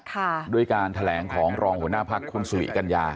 บ้างด้วยการแผ่นครองหัวหน้าภาคคุณสุหีกัญญา